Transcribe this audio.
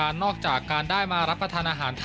ด้านนักกีฬานอกจากการได้มารับประทานอาหารไทยให้อิ่มท้อง